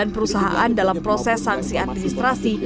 sembilan perusahaan dalam proses sanksi administrasi